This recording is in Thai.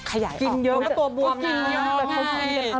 กินเยอะก็ตัวบุ๊บนะ